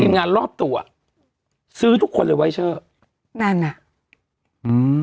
งานรอบตัวซื้อทุกคนเลยไวเชอร์นั่นน่ะอืม